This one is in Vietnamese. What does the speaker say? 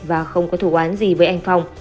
và không có thủ án gì với anh phong